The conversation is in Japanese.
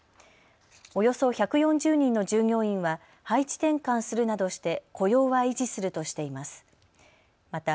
およそ１４０人の従業員は配置転換するなどして雇用は維持するとしています。